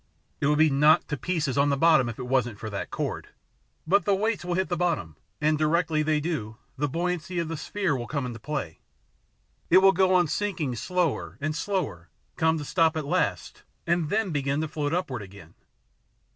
It would be knocked to pieces on the bottom if it wasn't for that cord. But the weights will hit the bottom, and directly they do, the buoyancy of the sphere will come into play. It will go on sinking slower and slower; come to a stop at last, and then begin to float upward again.